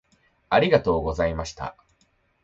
ありがとうございました。